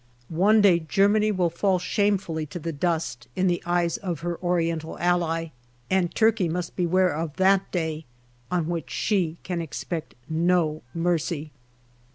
One day Germany will fall shamefully to the dust in the eyes of her Oriental ally, and Turkey must beware of that day, on which she can expect no mercy.